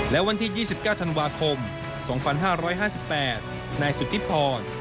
และวันที่๒๙ธันวาคม๒๕๕๘นายสุธิพร